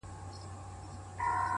• ته یې ونیسه مابین په خپلو داړو ,